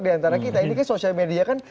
di antara kita ini kan sosial media kan